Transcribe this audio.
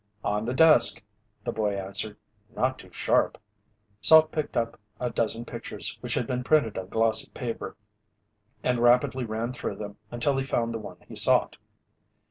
"On the desk," the boy answered. "Not too sharp." Salt picked up a dozen pictures which had been printed on glossy paper and rapidly ran through them until he found the one he sought.